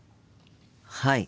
はい。